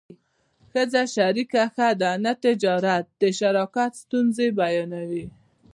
ښځه شریکه ښه ده نه تجارت د شراکت ستونزې بیانوي